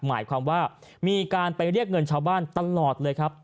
หมายความว่ามีการไปเรียกเงินชาวบ้านตลอดเลยครับ